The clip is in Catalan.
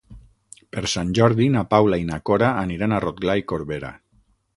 Per Sant Jordi na Paula i na Cora aniran a Rotglà i Corberà.